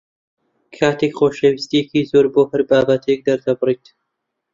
کاتێک خۆشەویستییەکی زۆر بۆ هەر بابەتێک دەردەبڕیت